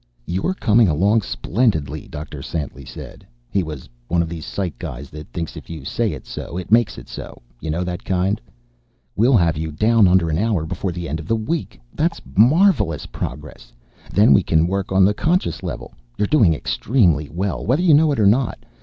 "You're coming along splendidly," Dr. Santly said. He was one of these psych guys that thinks if you say it's so, it makes it so. You know that kind? "We'll have you down under an hour before the end of the week. That's marvelous progress. Then we can work on the conscious level! You're doing extremely well, whether you know it or not.